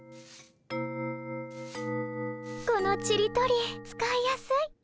このちり取り使いやすい。